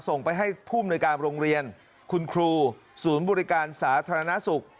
ส่งไปให้ผู้มนุยการโรงเรียนคุณครูศูนย์บริการสาธารณสุข